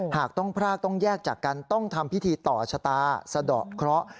หากต้องพรากต้องแยกจากกันต้องทำพิธีต่อชะตาสะดอกเคราะห์